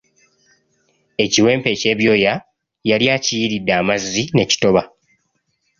Ekiwempe eky'ebyoya, yali akiyiiridde amazzi ne kitoba.